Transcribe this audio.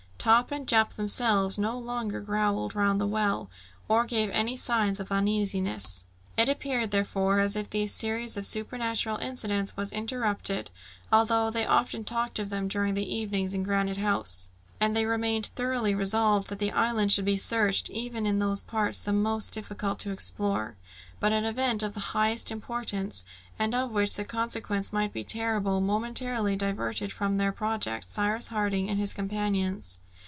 Top and Jup themselves no longer growled round the well or gave any signs of uneasiness. It appeared, therefore, as if the series of supernatural incidents was interrupted, although they often talked of them during the evenings in Granite House, and they remained thoroughly resolved that the island should be searched, even in those parts the most difficult to explore. But an event of the highest importance, and of which the consequence might be terrible, momentarily diverted from their projects Cyrus Harding and his companions.